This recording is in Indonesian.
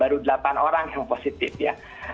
baru delapan orang yang positif ya